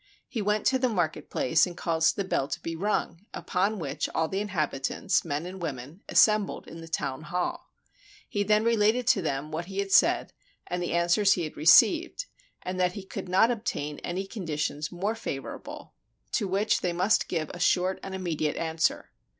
He went to the market place and caused the bell to be rung; upon which all the inhabitants, men and women, assembled in the town hall. He then re lated to them what he had said, and the answers he had received; and that he could not obtain any conditions more favorable, to which they must give a short and immediate answer.